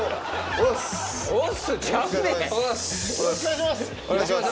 よろしくお願いします。